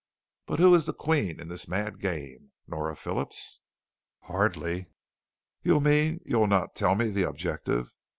But who is the Queen in this mad game, Nora Phillips?" "Hardly." "You mean you'll not tell me the objective.